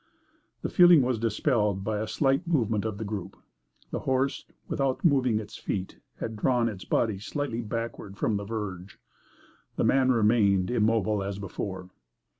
The feeling was dispelled by a slight movement of the group: the horse, without moving its feet, had drawn its body slightly backward from the verge; the man remained immobile as before.